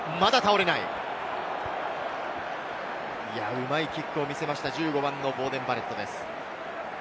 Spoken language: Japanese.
うまいキックを見せました１５番のボーデン・バレットです。